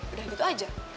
udah gitu aja